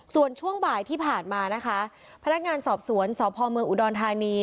ส่วนช่วงบ่ายที่ผ่านมานะคะพนักงานสอบสวนสพเมืองอุดรธานี